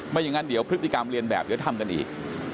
อย่างนั้นเดี๋ยวพฤติกรรมเรียนแบบเดี๋ยวทำกันอีก